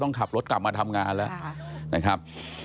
ต้องขับรถกลับมาทำงานแล้ว